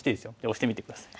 押してみて下さい。